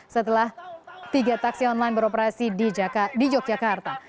setelah tiga taksi online beroperasi di yogyakarta